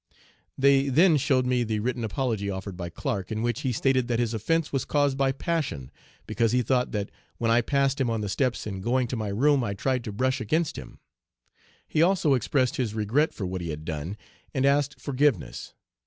"They then showed me the written apology offered by Clark, in which he stated that his offence was caused by passion, because he thought that when I passed him on the steps in going to my room I tried to brush against him. He also expressed his regret for what he had done, and asked forgiveness.